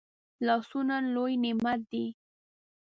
لاسونه لوي نعمت دی